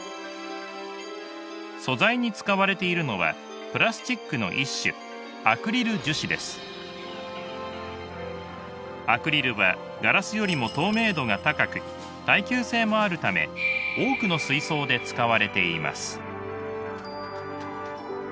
素材に使われているのはプラスチックの一種アクリルはガラスよりも透明度が高く耐久性もあるため多くの水槽で使われています。